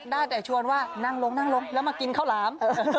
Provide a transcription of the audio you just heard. ก็ได้ชวนว่านั่งลงแล้วมากินข้าวหลาม